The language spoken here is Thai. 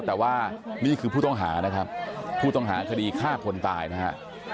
แต่ว่านี่คือผู้ต้องหานะครับผู้ต้องหาคดีฆ่าคนตายนะฮะ